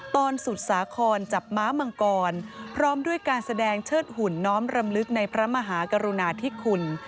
สุดสาครจับม้ามังกรพร้อมด้วยการแสดงเชิดหุ่นน้อมรำลึกในพระมหากรุณาธิคุณ